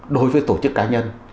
đối với tổ chức cá nhân